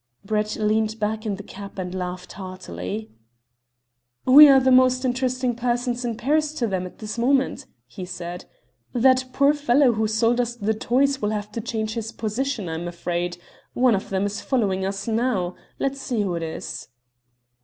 Brett leaned back in the cab and laughed heartily. "We are the most interesting persons in Paris to them at this moment," he said. "That poor fellow who sold us the toys will have to change his position, I am afraid. One of them is following us now. Let's see who it is."